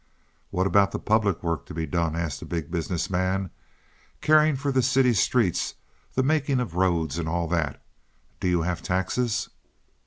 "What about the public work to be done?" asked the Big Business Man. "Caring for the city streets, the making of roads and all that. Do you have taxes?"